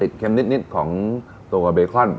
ติดเค็มนิดของโต๊ะกับเบคอน